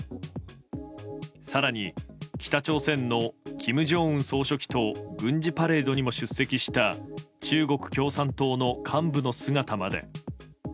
更に、北朝鮮の金正恩総書記と軍事パレードにも出席した中国共産党の幹部の姿まで。